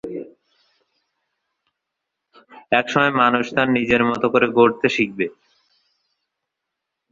এসময় মানুষ তার নিজের জীবনকে নিজের মতো করে গড়তে শিখে।